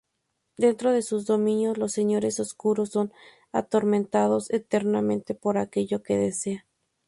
Dentro de sus dominios, los señores oscuros son atormentados eternamente por aquello que desean.